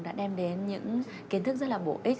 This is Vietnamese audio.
đã đem đến những kiến thức rất là bổ ích